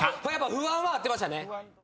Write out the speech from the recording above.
「不安」は合ってましたね。